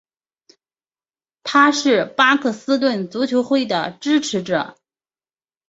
他是巴克斯顿足球会的支持者。